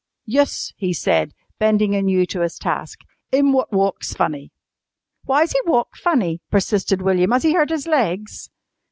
"Yus," he said, bending anew to his task, "'im wot walks funny." "Why's he walk funny?" persisted William. "Has he hurt his legs?"